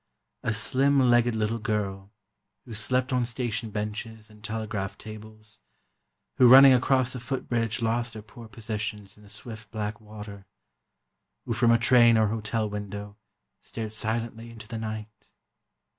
a slim legged little girl, who slept on station benches and telegraph tables, who running across a foot bridge lost her poor possessions in the swift black water, who from a train or hotel window stared silently into the night.